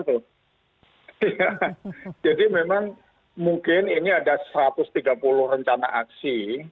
iya jadi memang mungkin ini ada satu ratus tiga puluh rencana aksi